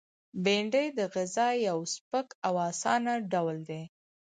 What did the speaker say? بېنډۍ د غذا یو سپک او آسانه ډول دی